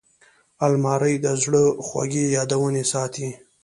الماري د زړه خوږې یادونې ساتي